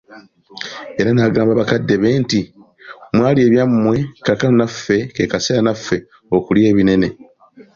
Era n'agamba bakadde be nti, mwalya ebyammwe kaakano naffe kano ke kaseera kaffe okulya ebinene .